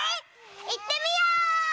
いってみよう！